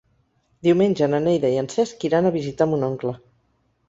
Diumenge na Neida i en Cesc iran a visitar mon oncle.